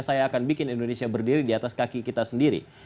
saya akan bikin indonesia berdiri di atas kaki kita sendiri